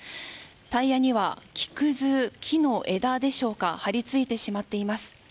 タイヤには木くず、木の枝でしょうか張り付いてしまっています。